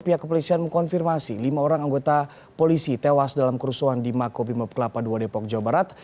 pihak kepolisian mengkonfirmasi lima orang anggota polisi tewas dalam kerusuhan di mako bimob kelapa ii depok jawa barat